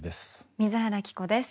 水原希子です。